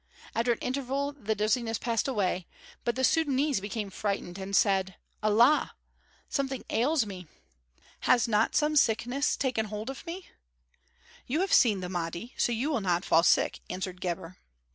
After an interval the dizziness passed away, but the Sudânese became frightened and said: "Allah! Something ails me. Has not some sickness taken hold of me?" "You have seen the Mahdi, so you will not fall sick," answered Gebhr.